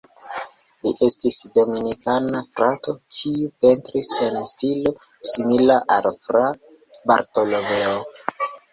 Li estis Dominikana frato kiu pentris en stilo simila al Fra Bartolomeo.